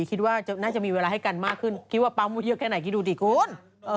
คิดว่าน่าจะมีเวลาให้กันมากขึ้นคิดว่าปั๊มเยอะแค่ไหนคิดดูดิคุณ